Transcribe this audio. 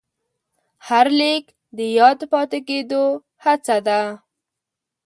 هر لیک د یاد پاتې کېدو هڅه ده.